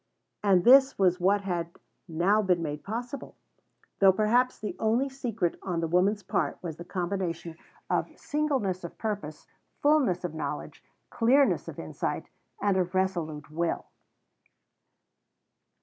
And this was what had now been made possible; though perhaps the only secret on the woman's part was the combination of singleness of purpose, fulness of knowledge, clearness of insight, and a resolute will.